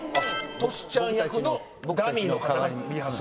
トシちゃん役のダミーの方がリハする。